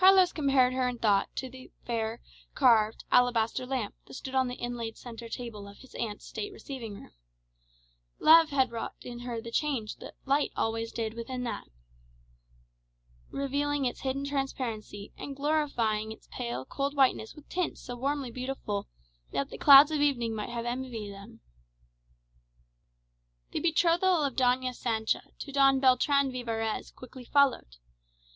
Carlos compared her in thought to the fair, carved alabaster lamp that stood on the inlaid centre table of his aunt's state receiving room. Love had wrought in her the change which light within always did in that, revealing its hidden transparency, and glorifying its pale, cold whiteness with tints so warmly beautiful, that the clouds of evening might have envied them. The betrothal of Doña Sancha to Don Beltran Vivarez quickly followed.